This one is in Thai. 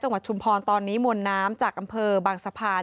ชุมพรตอนนี้มวลน้ำจากอำเภอบางสะพาน